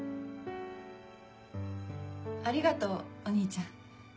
ありがとうお兄ちゃん。